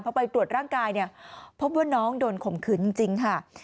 พอไปตรวจร่างกายเนี่ยพบว่าน้องโดนข่มขืนจริงค่ะ